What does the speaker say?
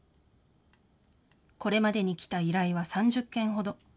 これまでに来た依頼は３０件ほど。